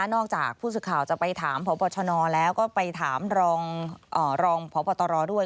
จากผู้สื่อข่าวจะไปถามพบชนแล้วก็ไปถามรองพบตรด้วย